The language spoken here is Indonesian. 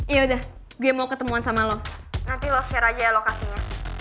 yaudah gue mau ketemuan sama lo nanti lo share aja lokasinya